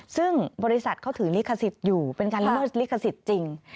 ซึ่งบริษัทเขาถือลิขสิทธิ์อยู่เป็นการละเมิดลิขสิทธิ์จริง